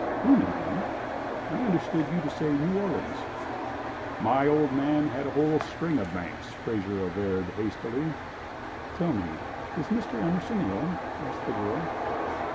"Bloomington! I understood you to say New Orleans." "My old man had a whole string of banks," Fraser averred, hastily. "Tell me is Mr. Emerson ill?" asked the girl.